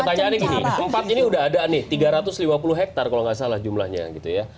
oke pertanyaan ini empat ini udah ada nih tiga ratus lima puluh hektar kalau nggak salah jumlahnya gitu ya